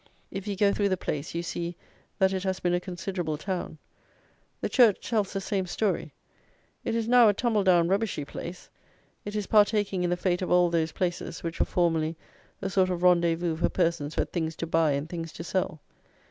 If you go through the place, you see that it has been a considerable town. The church tells the same story; it is now a tumble down rubbishy place; it is partaking in the fate of all those places which were formerly a sort of rendezvous for persons who had things to buy and things to sell.